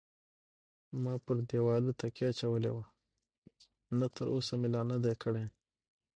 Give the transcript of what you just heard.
ما پر دېواله تکیه اچولې وه، نه تراوسه مې لا نه دی کړی.